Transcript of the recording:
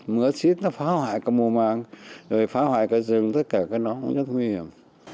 mưa ác xít nó phá hoại cả mùa mạng rồi phá hoại cả rừng tất cả cái nó cũng rất nguy hiểm